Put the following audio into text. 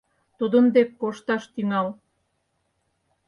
Тудын дек кошташ тӱҥал.